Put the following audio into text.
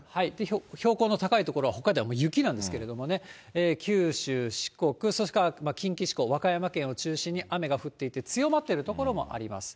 標高の高い所は北海道はもう雪なんですけどね、九州、四国、それから近畿地方、和歌山県を中心に雨が降っていて、強まっている所もあります。